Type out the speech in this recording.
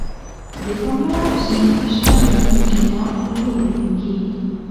د پملا اوسنۍ مشره میرمن ټینا لو نوميږي.